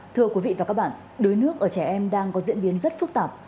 thưa quý vị và các bạn đuối nước ở trẻ em đang có diễn biến rất phức tạp